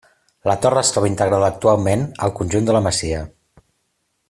La torre es troba integrada actualment al conjunt de la masia.